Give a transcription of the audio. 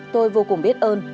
tôi vô cùng biết ơn